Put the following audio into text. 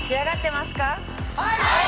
はい。